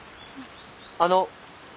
あの。